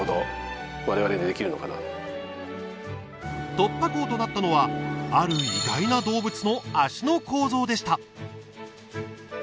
突破口となったのはある意外な動物の足の構造でした。